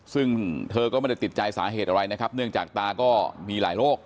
ซึ่งเธอก็ไม่ได้ติดใจสาเหตุอะไรนะครับเนื่องจากตาก็มีหลายโรค